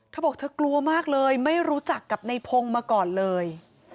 เธอบอกเธอกลัวมากเลยไม่รู้จักกับในพงศ์มาก่อนเลย